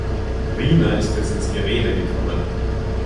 Rina ist jetzt ins Gerede gekommen.